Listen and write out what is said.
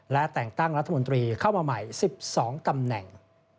และแต่งตั้งรัฐมนตรีเข้ามาใหม่๑๒ตำแหน่ง